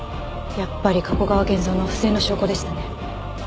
やっぱり加古川源蔵の不正の証拠でしたね。